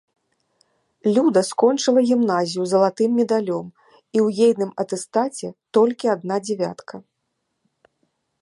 Люда скончыла гімназію з залатым медалём і ў ейным атэстаце толькі адна дзявятка.